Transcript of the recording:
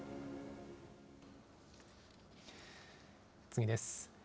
次です。